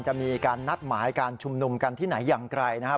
จะมีการนัดหมายการชุมนุมกันที่ไหนอย่างไรนะครับ